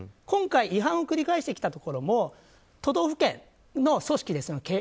今回、違反を繰り返してきたところも都道府県の組織ですよね